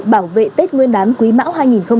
bảo vệ tết nguyên đán quý mão hai nghìn hai mươi